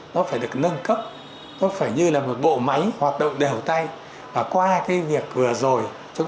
nó phải được nâng cấp nó phải như là một bộ máy hoạt động đều tay và qua cái việc vừa rồi chúng